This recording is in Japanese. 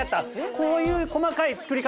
こういう細かい作り方。